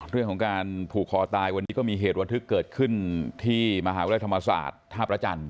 เรื่องของการผูกคอตายวันนี้ก็มีเหตุระทึกเกิดขึ้นที่มหาวิทยาลัยธรรมศาสตร์ท่าพระจันทร์